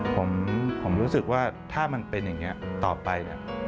ผมรู้สึกว่าถ้ามันเป็นอย่างนี้ต่อไปเนี่ย